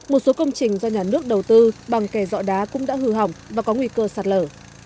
một số công trình do nhà nước đầu tư bằng kè dọ đá cũng đã hư hỏng và có nguy cơ sạt lở